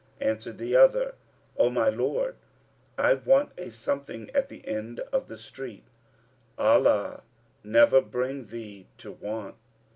Answered the other "O my lord, I want a something at the end of the street, Allah never bring thee to want!"